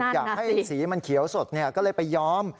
อยากให้สีมันเขียวสดก็เลยไปยอม